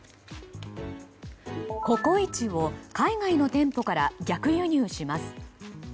ココイチを海外の店舗から逆輸入します。